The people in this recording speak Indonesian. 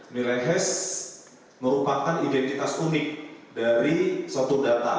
nilai hes merupakan identitas unik dari suatu data